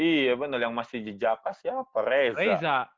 iya bener yang masih jejakas siapa reza